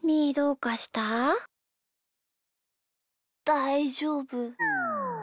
だいじょうぶ。